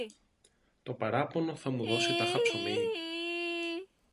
Το παράπονο θα μου δώσει τάχα ψωμί;